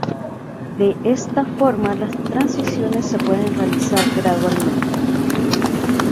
De esta forma las transiciones se pueden realizar gradualmente.